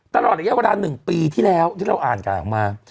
ตลอดอย่างนี้เวลา๑ปีที่แล้วที่เราอ่านกลางมา